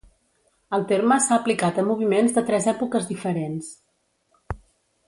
El terme s'ha aplicat a moviments de tres èpoques diferents.